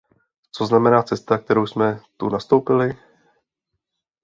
Co znamená cesta, kterou jsme tu nastoupili?